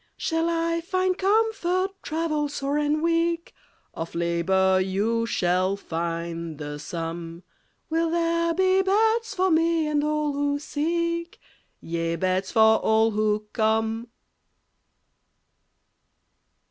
Shall I find comfort, travel sore and weak? Of labor you shall find the sum. Will there be beds for me and all who seek? Yea, beds for all who come.